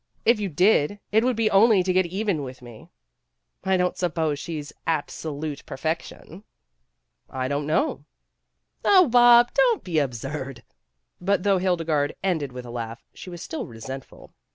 "If you did, it would be only to get even with me." "I don't suppose she's absolute perfection." "I don't know." "Oh, Bob, don't be so absurd." But though Hildegarde ended with a laugh, she was still resentful.